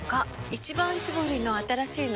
「一番搾り」の新しいの？